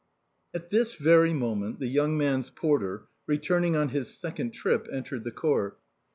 At this very moment the young man's porter, returning on his second trip, entered the court.